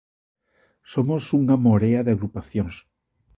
Somos unha morea de agrupacións.